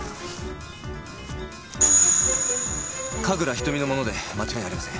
神楽瞳のもので間違いありません。